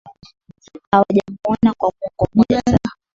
Hawajamwona kwa mwongo mmoja sasa